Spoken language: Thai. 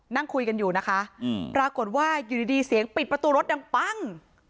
นั่งคุยกันอยู่นะคะปรากฏว่าอยู่ดีเสียงปิดประตูรถดังปั้ง